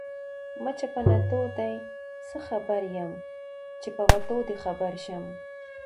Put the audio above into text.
ـ مچه په نتو دې څه خبر يم ،چې په وتو دې خبر شم.